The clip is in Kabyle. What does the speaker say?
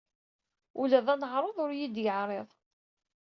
Ula d aneɛruḍ ur t-id-yeɛriḍ.